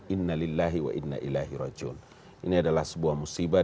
ini adalah sebuah musibah